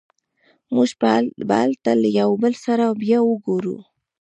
موږ به هلته له یو بل سره بیا وګورو